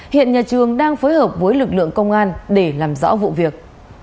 hiện nhà trường đang phối hợp với lực lượng công an để làm rõ vụ việc